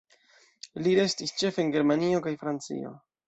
Li restis ĉefe en Germanio kaj Francio.